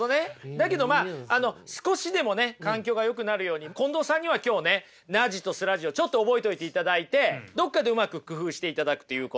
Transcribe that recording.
だけどまあ少しでもね環境がよくなるように近藤さんには今日ねナッジとスラッジをちょっと覚えておいていただいてどっかでうまく工夫していただくということ。